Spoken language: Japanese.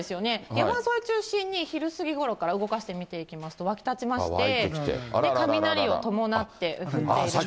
山沿い中心に昼過ぎごろから動かして見ていきますと、湧き立ちまして、雷を伴って降っている。